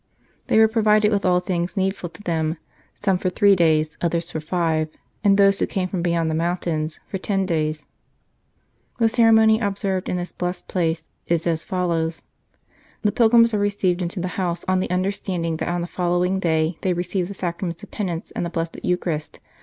They were provided with all things needful to them, some for three days, others for five days, and those who came from beyond the mountains, for ten days The ceremony observed in this blessed place is rs follows: The pilgrims are received into the 129 K St. Charles Borromeo house on the understanding that on the following day they receive the Sacraments of Penance and the Blessed Eucharist